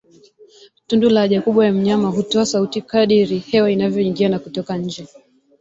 Tundu la haja kubwa ya mnyama hutoa sauti kadiri hewa inavyoingia na kutoka nje